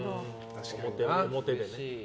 表でね。